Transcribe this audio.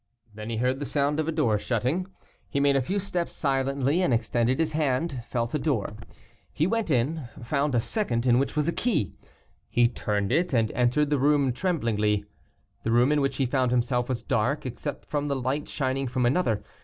Then he heard the sound of a door shutting. He made a few steps silently, and extending his hand, felt a door; he went in, found a second in which was a key; he turned it, and entered the room tremblingly. The room in which he found himself was dark, except from the light shining from another.